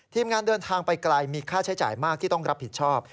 ทีมงานเดินทางไปไกลมีค่าใช้จ่ายมากที่ต้องรับผิดชอบ